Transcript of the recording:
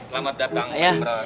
selamat datang pak imron